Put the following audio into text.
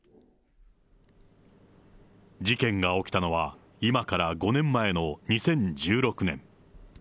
事件が起きたのは、今から５年前の２０１６年。